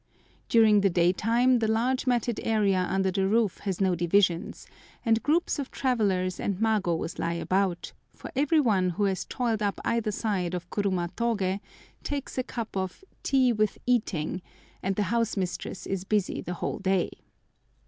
During the day time the large matted area under the roof has no divisions, and groups of travellers and magos lie about, for every one who has toiled up either side of Kurumatogé takes a cup of "tea with eating," and the house mistress is busy the whole day.